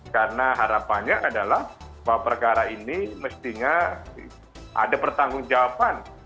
karena harapannya adalah bahwa perkara ini mestinya ada pertanggung jawaban